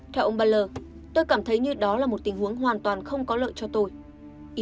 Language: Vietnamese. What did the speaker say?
theo ông baler tôi cảm thấy như đó là một tình huống hoàn toàn không có lợi cho tôi